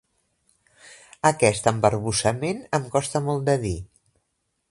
Aquest embarbussament em costa molt de dir.